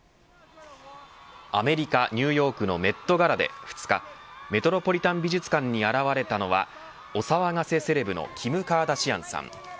アメリカ、ニューヨークのメット・ガラで２日メトロポリタン美術館に現れたのはお騒がせセレブのキム・カーダシアンさん。